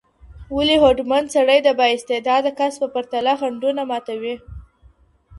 ولي هوډمن سړی د با استعداده کس په پرتله خنډونه ماتوي؟